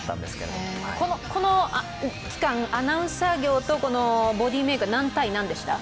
この期間、アナウンサー業とボディメイクは何対何でした？